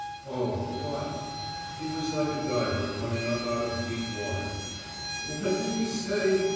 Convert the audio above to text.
"Oh what?" He was like a diver coming up out of deep water. "What did you say?"